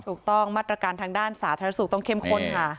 ถูกต้องมาตรการทางด้านสาธารณสุขต้องเข้มข้นค่ะ